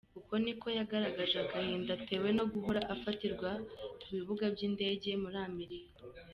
Uku niko yagaragaje agahinda atewe no guhora afatirwa ku bibuga by'indege muri Amerika.